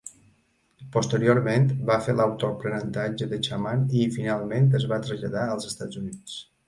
Posteriorment, va fer l'autoaprenentatge de xaman i, finalment, es va traslladar als Estats Units.